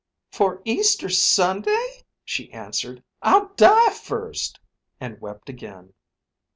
"For Easter Sunday?" she answered. "I'll die first." And wept again.